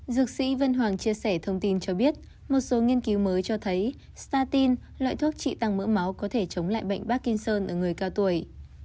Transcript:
dược sĩ vân hoàng chia sẻ thông tin cho biết một số nghiên cứu mới cho thấy statine loại thuốc trị tăng mỡ máu có thể chống lại bệnh barkinson ở người cao tuổi